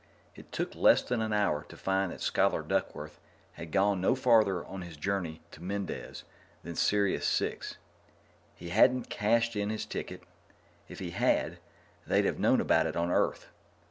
It took less than an hour to find that Scholar Duckworth had gone no farther on his journey to Mendez than Sirius VI. He hadn't cashed in his ticket; if he had, they'd have known about it on Earth.